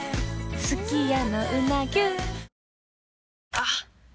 あっ！